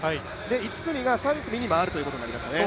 １組が３組に回るということになりましたね。